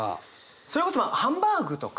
それこそハンバーグとか。